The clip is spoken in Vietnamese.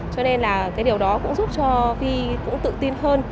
cho nên là cái điều đó cũng giúp cho vi cũng tự tin hơn